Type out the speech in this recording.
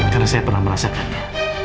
karena saya pernah merasakannya